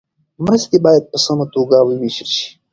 مرستې باید په سمه توګه وویشل سي.